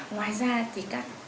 ngoài ra thì các